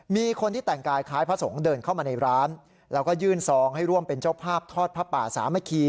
มีคนที่แต่งกายคล้ายพระสงฆ์เดินเข้ามาในร้านแล้วก็ยื่นซองให้ร่วมเป็นเจ้าภาพทอดผ้าป่าสามัคคี